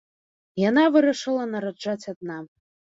Яна вырашыла нараджаць адна.